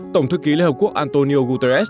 tổng thư ký liên hợp quốc antonio guterres